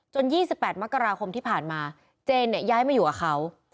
จนยี่สิบแปดมกราคมที่ผ่านมาเจนเนี่ยย้ายมาอยู่กับเขา